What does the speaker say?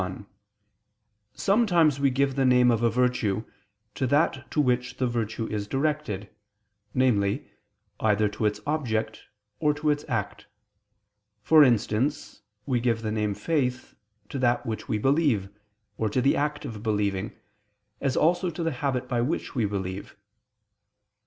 1: Sometimes we give the name of a virtue to that to which the virtue is directed, namely, either to its object, or to its act: for instance, we give the name Faith, to that which we believe, or to the act of believing, as also to the habit by which we believe.